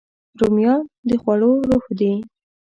رومیان د خوړو روح دي